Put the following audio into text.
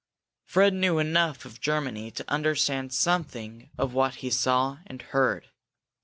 Fred knew enough of Germany to understand something of what he saw and heard.